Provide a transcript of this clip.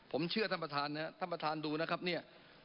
ผมเชื่อท่านประธานนะครับท่านประธานดูนะครับเนี่ย